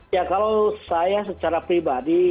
ya kalau saya secara pribadi